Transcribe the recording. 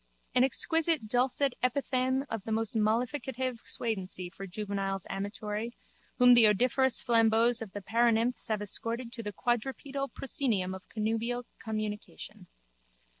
An exquisite dulcet epithalame of most mollificative suadency for juveniles amatory whom the odoriferous flambeaus of the paranymphs have escorted to the quadrupedal proscenium of connubial communion.